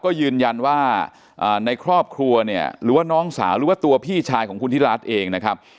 ก็ยืนยันว่าในครอบครัวเนี่ยหรือว่าน้องสาวหรือว่าตัวพี่ชายของคุณธิรัฐเองนะครับ